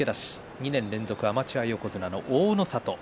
２年連続アマチュア横綱の大の里。